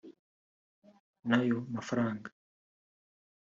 n’ayo mafaranga